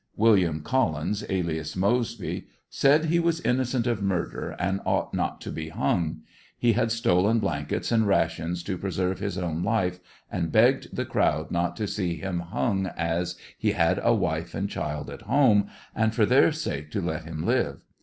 Wil liam Collins, alias Moseby, said he was innocent of murder and ANDEBSONVILLE DIART, 83 ought not to be liung; he had stolen blankets and rations to pre serve his own life, and begged the crowd not to see him hung as he had a wife and child at home, and for their sake to let him live.